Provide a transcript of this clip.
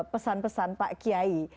pesan pesan pak kiai